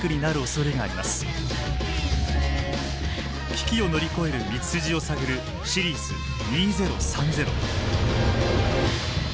危機を乗り越える道筋を探る「シリーズ２０３０」。